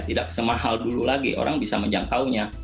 tidak semahal dulu lagi orang bisa menjangkaunya